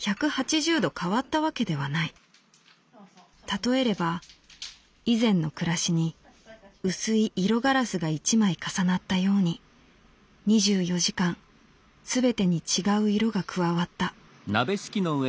たとえれば以前の暮らしに薄い色ガラスが一枚重なったように二十四時間すべてに違う色が加わった」。